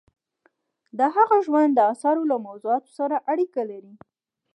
د هغه ژوند د اثارو له موضوعاتو سره اړیکه لري.